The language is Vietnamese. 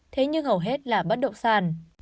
thế nhưng hầu hết là bất độc sản